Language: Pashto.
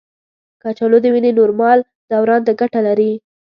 کچالو د وینې نورمال دوران ته ګټه لري.